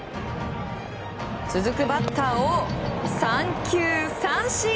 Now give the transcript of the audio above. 続くバッターを三球三振。